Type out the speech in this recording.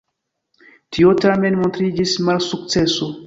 Tio tamen montriĝis malsukceso.